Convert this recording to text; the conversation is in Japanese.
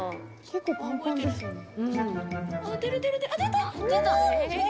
結構パンパンですよね。